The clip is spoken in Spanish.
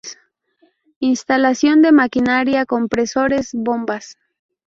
Instalación de maquinaria, Compresores, Bombas.